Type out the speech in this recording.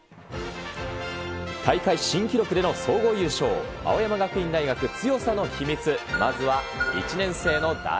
大会新記録での総合優勝、青山学院大学強さの秘密。